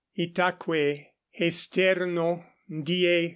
Itaque hesterno die L.